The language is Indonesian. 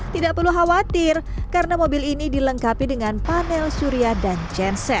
tidak perlu khawatir karena mobil ini dilengkapi dengan panel surya dan genset